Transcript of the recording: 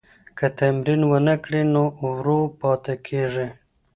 که تمرین ونکړئ نو ورو پاتې کیږئ.